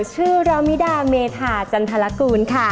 ชื่อรัมดาเมธาจันทารกูล